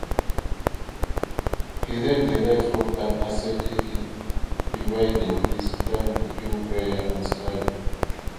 He led the life of an ascetic, dividing his time between prayer and study.